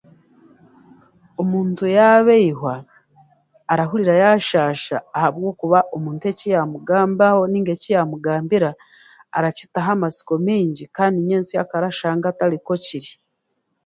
Omuntu yaabeihwa, arahurira yaashaasha ahabwokuba omuntu eki yaamugambaho nainga eki yaamugambira arakitaho amasiko maingi kandi nyensyakare ashange atarikwo kiri.